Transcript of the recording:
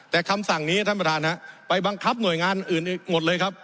แต่คำสั่งนี้ท่านประธานไปบังคับหน่วยงานอื่นหมดเลยครับ